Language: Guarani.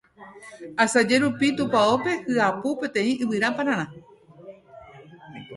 Asaje rupi tupãópe hyapu peteĩ yvyrapararã